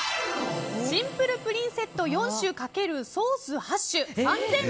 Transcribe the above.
シンプルプリンセット４種×ソース８種。